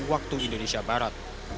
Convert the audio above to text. waktu indonesia barat